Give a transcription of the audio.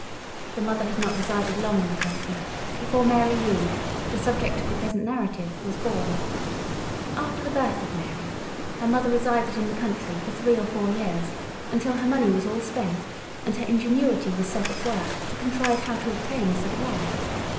The mother had not resided long in the country before Mary Read, the subject of the present narrative, was born. After the birth of Mary, her mother resided in the country for three or four years, until her money was all spent, and her ingenuity was set at work to contrive how to obtain a supply.